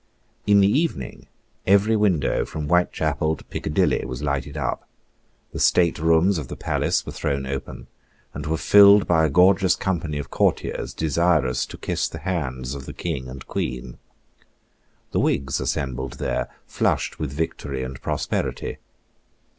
In the evening every window from Whitechapel to Piccadilly was lighted up. The state rooms of the palace were thrown open, and were filled by a gorgeous company of courtiers desirous to kiss the hands of the King and Queen. The Whigs assembled there, flushed with victory and prosperity.